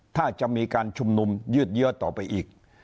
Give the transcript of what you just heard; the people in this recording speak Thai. ถ้าจะมีการชุมนุมยืดเยื้อต่อไปอีก